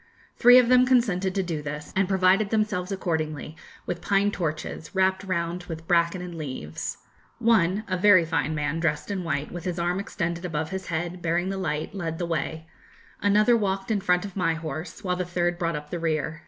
Three of them consented to do this, and provided themselves accordingly with pine torches, wrapped round with bracken and leaves. One, a very fine man, dressed in white, with his arm extended above his head, bearing the light, led the way; another walked in front of my horse, while the third brought up the rear.